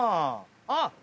あっ！